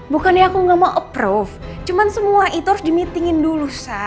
bukannya aku nggak mau approve cuma semua itu harus di meetingin dulu sah